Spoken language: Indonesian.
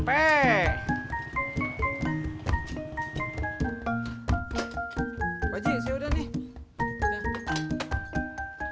ternyata ternyata ternyata ternyata